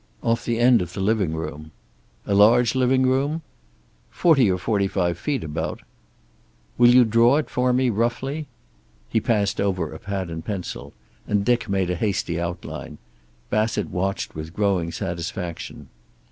"Off the end of the living room." "A large living room?" "Forty or forty five feet, about." "Will you draw it for me, roughly?" He passed over a pad and pencil, and Dick made a hasty outline. Bassett watched with growing satisfaction.